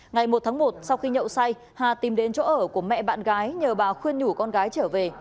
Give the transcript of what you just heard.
ngày một tháng một sau khi nhậu say hà tìm đến chỗ ở của mẹ bạn gái nhờ bà khuyên nhủ con gái trở về